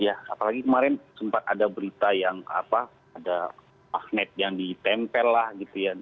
ya apalagi kemarin sempat ada berita yang apa ada magnet yang ditempel lah gitu ya